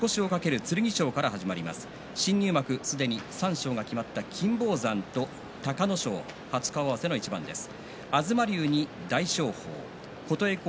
新入幕、すでに三賞が決まった金峰山と隆の勝初顔合わせの一番です。